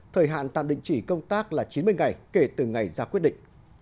thời hạn tạm đình chỉ công tác là chín mươi ngày kể từ ngày ra quyết định